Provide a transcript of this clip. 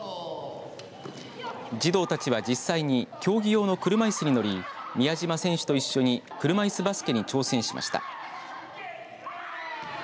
児童たちは実際に競技用の車いすに乗り宮島選手と一緒に車いすバスケに挑戦しました。